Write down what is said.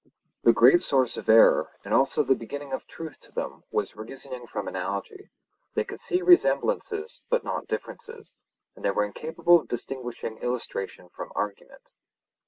The great source of error and also the beginning of truth to them was reasoning from analogy; they could see resemblances, but not differences; and they were incapable of distinguishing illustration from argument.